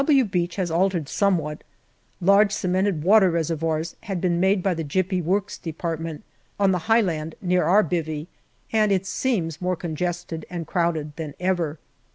"W" Beach had altered somewhat. Large cemented water reservoirs had been made by the Gypy Works Depart ment on the high land near our " bivvy," and it seems more congested and crowded than ever.